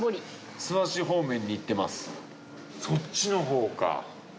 そっちのほうか。